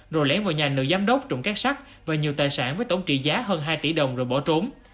rồi lén vào nhà nữ giám đốc trụng các sắc và nhiều tài sản với tổng trị giá hơn hai tỷ đồng rồi bỏ trốn